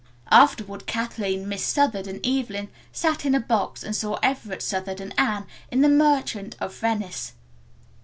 Afterward Kathleen, Miss Southard and Evelyn sat in a box and saw Everett Southard and Anne in "The Merchant of Venice."